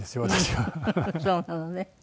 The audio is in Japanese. そうなのね。